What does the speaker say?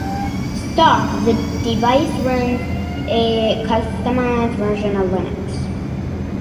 Stock, the device runs a customised version of Linux.